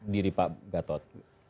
diri pak gatot